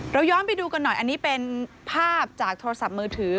ย้อนไปดูกันหน่อยอันนี้เป็นภาพจากโทรศัพท์มือถือ